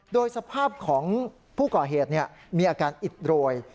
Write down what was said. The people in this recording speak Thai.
โดยสภาพของผู้ก่อเหตุมีอาการอิดโรย